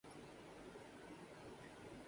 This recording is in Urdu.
مشن امپاسیبل فال اٹ کا پہلے ہی دن ریکارڈ